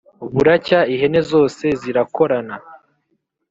» buracya ihene zose zirakorana,